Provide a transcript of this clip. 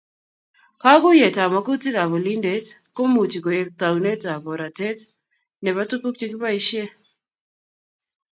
Kaguyetab magutik ab olindet komuchi koek taunetab boratet nebo tuguk chekiboishee